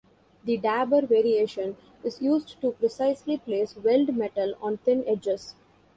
The dabber variation is used to precisely place weld metal on thin edges.